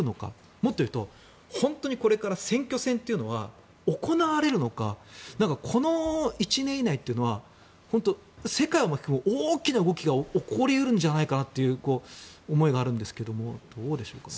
もっと言うと本当にこれから選挙戦というのは行われるのかこの１年以内というのは本当に世界を巻き込む大きな動きが起こり得るんじゃないかという思いがあるんですがどうでしょうかね？